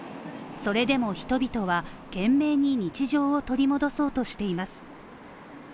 それでも人々は懸命に日常を取り戻そうとしています。